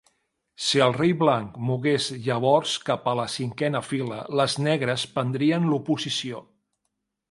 Si el rei blanc mogués llavors cap a la cinquena fila, les negres prendrien l'oposició.